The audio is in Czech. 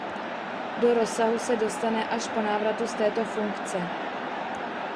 Do rozsahu se dostane až po návratu z této funkce.